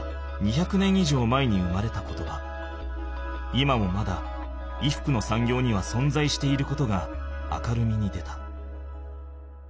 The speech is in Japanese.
今もまだ衣服のさんぎょうにはそんざいしていることが明るみに出た。